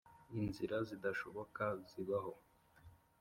inzira zidashoboka zibaho!